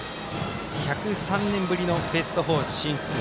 １０３年ぶりのベスト４進出。